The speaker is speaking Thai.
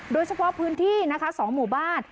โดยเฉพาะพื้นที่นะคะ๒หมู่บ้าน